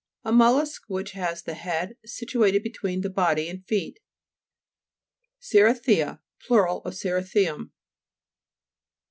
A mollusk which has the head situated between the body and feet. CERI'THIA Plur. of cerithium.